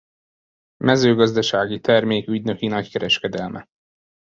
Mezőgazdasági termék ügynöki nagykereskedelme.